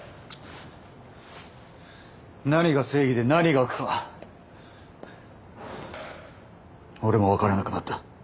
何が正義で何が悪か俺も分からなくなった。